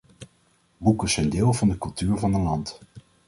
Boeken zijn deel van de cultuur van een land.